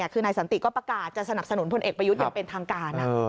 คือนายสันติก็ประกาศจะสนับสนุนพลเอกประยุทธ์อย่างเป็นทางการ